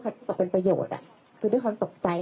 เป็นสยามต่างสำคัญคนที่อยู่ในเหตุการณ์